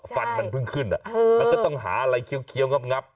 ฟันมันเพิ่งขึ้นมันก็ต้องหาอะไรเคี้ยวงับ